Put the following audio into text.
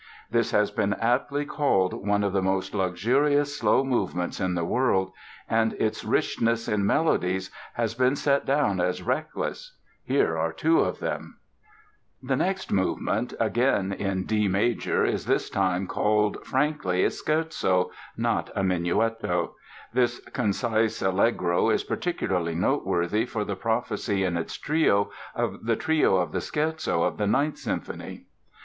This has been aptly called one of the most luxurious slow movements in the world, and its richness in melodies has been set down as "reckless." Here are two of them: [Illustration: play music] [Illustration: play music] The next movement, again in D major, is this time called frankly a "Scherzo," not a "Menuetto." This concise Allegro is particularly noteworthy for the prophecy in its Trio of the Trio of the Scherzo of the Ninth Symphony.